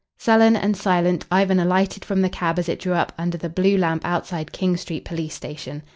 Sullen and silent, Ivan alighted from the cab as it drew up under the blue lamp outside King Street police station.